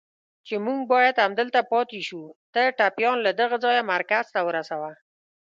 چې موږ باید همدلته پاتې شو، ته ټپيان له دغه ځایه مرکز ته ورسوه.